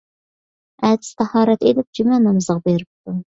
ئەتىسى تاھارەت ئېلىپ جۈمە نامىزىغا بېرىپتۇ.